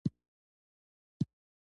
یهودي متل وایي اوښکې د روح پاکوونکي دي.